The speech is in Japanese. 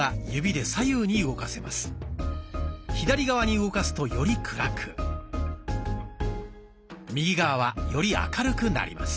左側に動かすとより暗く右側はより明るくなります。